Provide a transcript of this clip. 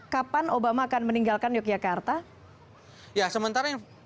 kapan obama akan meninggalkan yogyakarta